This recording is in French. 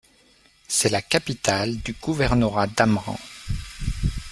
C'est la capitale du Gouvernorat d'Amran.